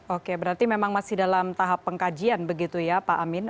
oke berarti memang masih dalam tahap pengkajian begitu ya pak amin